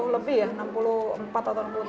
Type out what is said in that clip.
enam puluh lebih ya enam puluh empat atau enam puluh dua